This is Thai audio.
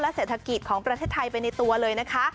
เศรษฐกิจของประเทศไทยไปในตัวเลยนะคะ